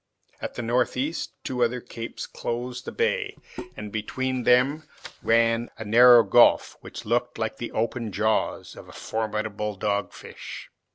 At the northeast two other capes closed the bay, and between them ran a narrow gulf, which looked like the half open jaws of a formidable dog fish.